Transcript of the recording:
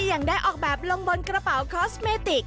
ยังได้ออกแบบลงบนกระเป๋าคอสเมติก